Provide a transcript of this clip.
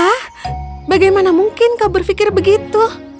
ah bagaimana mungkin kau berpikir begitu